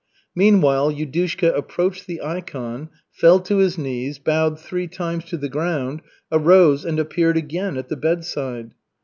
Meanwhile Yudushka approached the ikon, fell to his knees, bowed three times to the ground, arose and appeared again at the bedside.